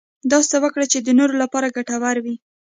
داسې څه وکړه چې د نورو لپاره ګټور وي .